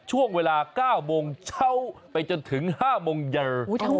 ช่วงเวลา๙โมงเช้าไปจนถึง๕โมงเย็น